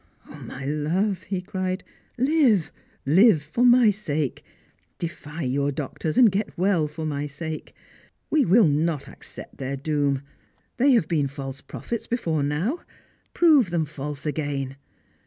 " O my love," he cried, " live, live for my sake ! Defy your doctors, and get well for my sake ! We will not accept their doom. They have been false prophets before now ; prove them false again.